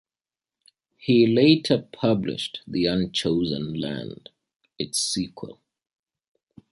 He later published "The Unchosen Land", its sequel.